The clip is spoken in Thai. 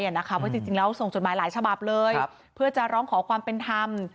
เพราะจริงแล้วส่งจดหมายหลายฉบับเลยเพื่อจะร้องขอความเป็นธรรม